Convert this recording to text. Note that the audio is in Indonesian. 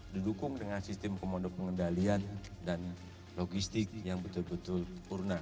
didukung dengan sistem komando pengendalian dan logistik yang betul betul purna